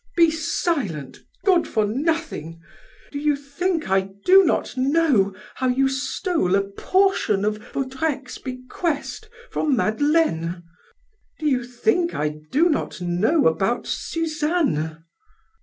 Be silent, good for nothing! Do you think I do not know how you stole a portion of Vaudrec's bequest from Madeleine? Do you think I do not know about Suzanne?"